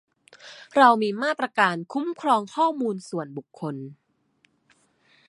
เรามีมาตราการคุ้มครองข้อมูลส่วนบุคคล